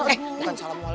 eh bukan salam wali